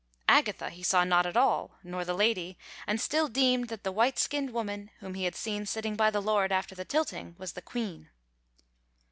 Agatha he saw not at all; nor the Lady, and still deemed that the white skinned woman whom he had seen sitting by the Lord after the tilting was the Queen.